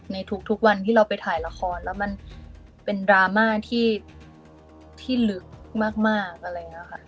ในทุกวันที่เราไปถ่ายละครแล้วมันเป็นดราม่าที่ลึกมากอะไรอย่างนี้ค่ะ